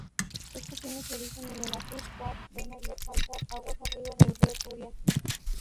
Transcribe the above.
Esta tiene su origen en el azud Cuart-Benáger-Faitanar, aguas arriba, en el río Turia.